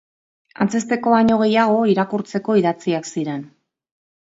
Antzezteko baino gehiago, irakurtzeko idatziak ziren.